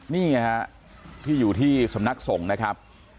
นี่แหละครับที่อยู่ที่สำนักส่งนะครับ